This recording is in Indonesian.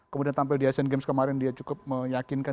kemudian tampil di asean games kemarin dia cukup meyakinkan